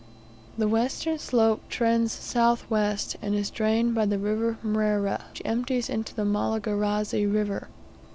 The western slope trends south west, and is drained by the River Mrera, which empties into the Malagarazi River.